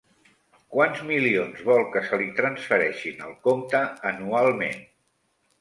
Quants milions vol que se li transfereixin al compte anualment?